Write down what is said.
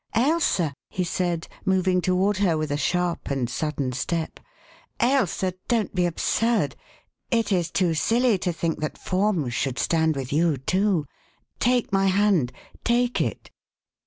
"Ailsa!" he said, moving toward her with a sharp and sudden step. "Ailsa, don't be absurd. It is too silly to think that forms should stand with you, too. Take my hand take it!"